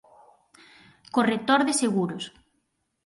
Corretor de seguros.